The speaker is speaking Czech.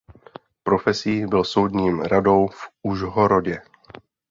Profesí byl soudním radou v Užhorodě.